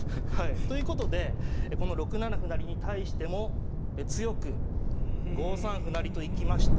ということでこの６七歩成に対しても強く５三歩成といきまして。